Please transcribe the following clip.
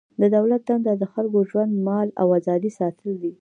د دولت دنده د خلکو ژوند، مال او ازادي ساتل دي.